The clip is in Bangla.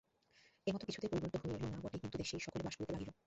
এ মত কিছুতেই পরিবর্তিত হইল না বটে কিন্তু দেশেই সকলে বাস করিতে লাগিল।